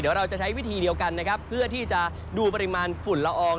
เดี๋ยวเราจะใช้วิธีเดียวกันนะครับเพื่อที่จะดูปริมาณฝุ่นละออง